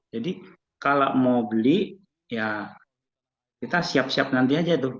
jadi kalau mau beli ya kita siap siap nanti aja tuh